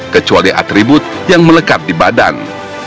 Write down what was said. kecuali atribut yang melekat di badan